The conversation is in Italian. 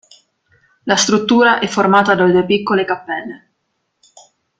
La struttura è formata da due piccole cappelle.